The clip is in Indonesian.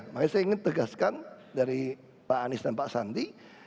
makanya saya ingin tegaskan dari pak anies dan pak sandi